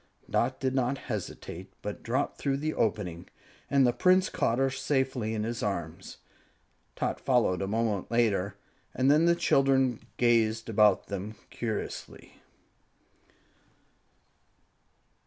Dot did not hesitate, but dropped through the opening, and the Prince caught her safely in his arms. Tot followed a moment later, and then the children gazed about them curiously.